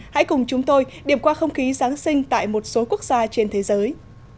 hãy cùng chúng tôi điểm qua không khí giáng sinh tại một số quốc gia trên thế giới